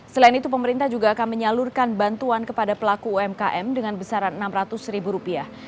selain itu pemerintah juga akan menyalurkan bantuan kepada pelaku umkm dengan besaran enam ratus ribu rupiah